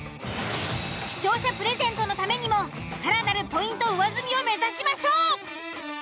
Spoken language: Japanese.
視聴者プレゼントのためにも更なるポイント上積みを目指しましょう！